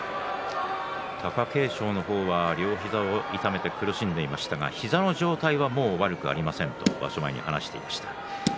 貴景勝の方は、両膝を痛めて苦しんでいましたが膝の状態はもう悪くありませんと場所前に話していました。